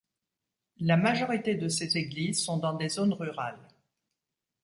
La majorité de ces églises sont dans des zones rurales.